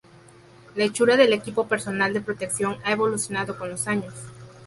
La hechura del equipo personal de protección ha evolucionado con los años.